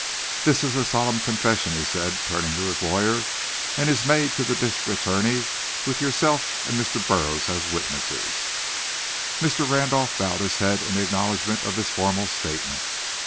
"This is a solemn confession," he said, turning to his lawyer, "and is made to the district attorney, with yourself and Mr. Burroughs as witnesses." Mr. Randolph bowed his head, in acknowledgment of this formal statement.